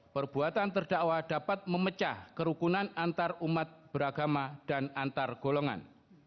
perbuatan terdakwa dapat memecah kerukunan antar umat beragama dan antar golongan